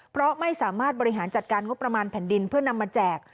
เพราะไม่สามารถบริหารจัดการงบประมาณแผ่นดินเพื่อนำมาแจก